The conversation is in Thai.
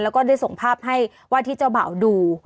แล้วก็ได้ส่งภาพให้ว่าที่เจ้าบ่าวดู